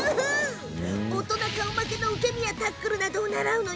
大人顔負けの受け身やタックルなどを習うの。